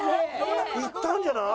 いったんじゃない？